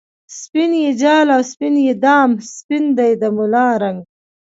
سپین یی جال او سپین یی دام ، سپین دی د ملا رنګ